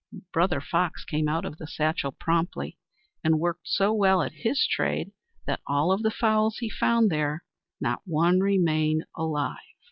Brother Fox came out of the satchel promptly, and worked so well at his trade that of all the fowls he found there, not one remained alive.